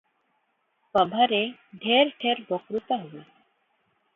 ସଭାରେ ଢେର ଢେର ବକ୍ତ୍ରୁତା ହୁଏ ।